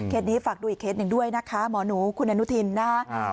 นี้ฝากดูอีกเคสหนึ่งด้วยนะคะหมอหนูคุณอนุทินนะครับ